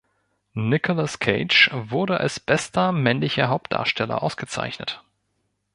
Nicolas Cage wurde als bester männlicher Hauptdarsteller ausgezeichnet.